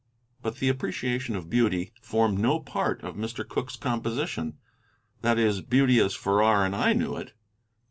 But the appreciation of beauty formed no part of Mr. Cooke's composition, that is, beauty as Farrar and I knew it.